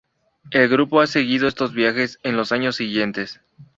El grupo ha seguido estos viajes en los años siguientes.